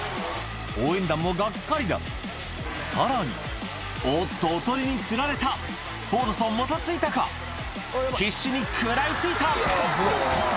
応援団もがっかりださらにおっとおとりにつられたフォードソンもたついたか必死に食らいついた！